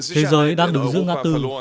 thế giới đang đứng dưỡng ngã tư